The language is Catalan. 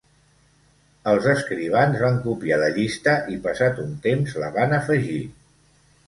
Els escrivans van copiar la llista i passat un temps la van afegir.